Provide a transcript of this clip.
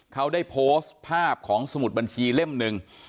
เขาได้โพสต์ภาพของสมุดบัญชีเล่มหนึ่ง